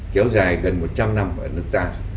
kéo dài gần một trăm linh năm ở nước ta